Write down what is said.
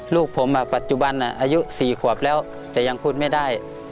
ลูกผมปัจจุบันอายุ๔ขวบแล้วแต่ยังพูดไม่ได้